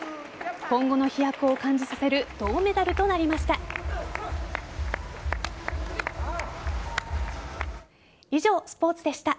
今後の飛躍を感じさせる銅メダルとなりました。